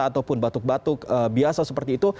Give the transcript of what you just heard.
ataupun batuk batuk biasa seperti itu